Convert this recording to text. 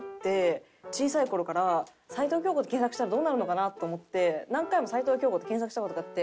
小さい頃から「齊藤京子」って検索したらどうなるのかなと思って何回も「齊藤京子」って検索した事があって。